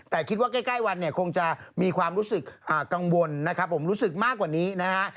แต่คิดว่าใกล้วันเนี่ยคงจะมีความรู้สึกกังวลนะครับผมรู้สึกมากกว่านี้นะฮะ